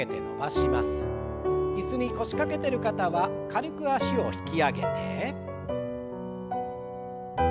椅子に腰掛けてる方は軽く脚を引き上げて。